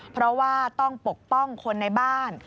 เพราะว่าต้องปกป้องคนในบ้าน